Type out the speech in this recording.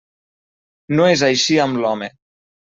No és així amb l'home.